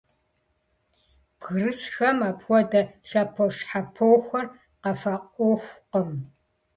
Бгырысхэм апхуэдэ лъэпощхьэпохэр къафӀэӀуэхукъым.